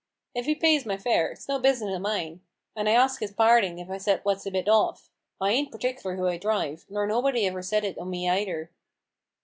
" If 'e pays my fare, it's no business o' mine ; and I asks his parding if I've said what's a bit off. I ain't perticler who I drive, nor nobody ever said it o' me neither."